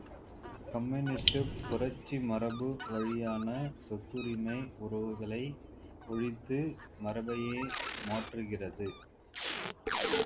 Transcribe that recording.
கம்யூனிஸ்டுப் புரட்சி மரபு வழியான சொத்துரிமை உறவுகளை ஒழித்து மரபையே மாற்றுகிறது.